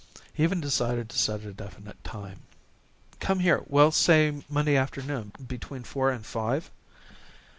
He even decided to set a definite time. "Come here well, say Monday afternoon between four and five."